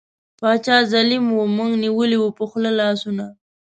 باچا ظالیم وو موږ نیولي وو په خوله لاسونه